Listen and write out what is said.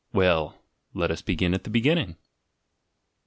— Well, let us begin at the beginning.